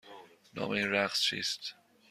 نام این رقص چیست؟